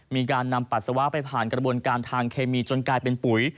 มีการนำปัสสาวะไปผ่านกระบวนการทางเคมีจนกลายเป็นปุ๋ย